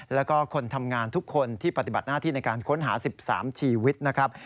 แล้วก็คนทำงานทุกคนที่ปฏิบัติหน้าที่ในการค้นหา๑๓ชีวิตนะครับ